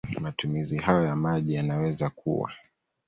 Matumizi hayo ya maji yanaweza kuwa